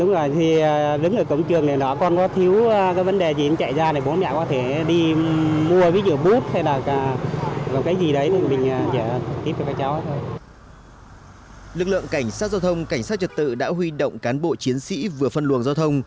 lực lượng cảnh sát giao thông cảnh sát trật tự đã huy động cán bộ chiến sĩ vừa phân luồng giao thông